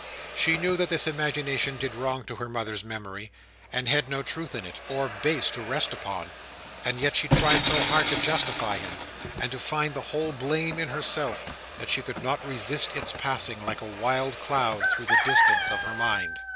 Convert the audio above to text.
She knew that this imagination did wrong to her mother's memory, and had no truth in it, or base to rest upon; and yet she tried so hard to justify him, and to find the whole blame in herself, that she could not resist its passing, like a wild cloud, through the distance of her mind.